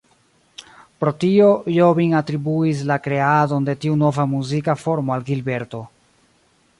Pro tio, Jobim atribuis la kreadon de tiu nova muzika formo al Gilberto.